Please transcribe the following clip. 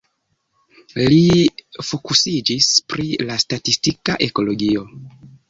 Li fokusiĝis pri la statistika ekologio.